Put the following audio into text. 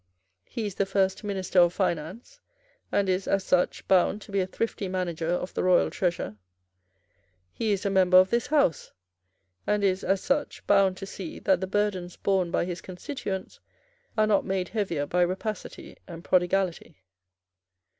He is the first minister of finance, and is, as such, bound to be a thrifty manager of the royal treasure. He is a member of this House, and is, as such, bound to see that the burdens borne by his constituents are not made heavier by rapacity and prodigality.